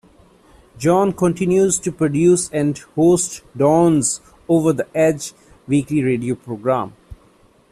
Jon continues to produce and host Don's "Over the Edge" weekly radio program.